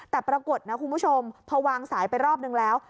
แต่ปรากฏนะคุณผู้ชมพอวางสายไปรอบนึงแล้ว